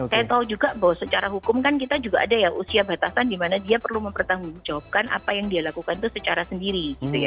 saya tahu juga bahwa secara hukum kan kita juga ada yang usia batasan di mana dia perlu mempertanggungjawabkan apa yang dia lakukan itu secara sendiri